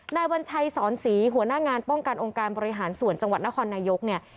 วัญชัยสอนศรีหัวหน้างานป้องกันองค์การบริหารส่วนจังหวัดนครนายกเนี่ย